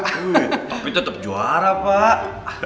tapi tetep juara pak